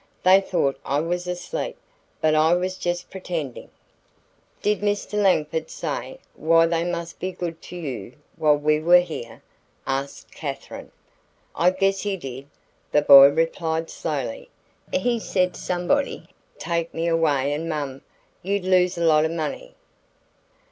They thought I was asleep, but I was just pretendin'." "Did Mr. Langford say why they must be good to you while we were here?" asked Katherine. "I guess he did," the boy replied slowly. "He said somebody'd take me away and Mom 'u'd lose a lot o' money."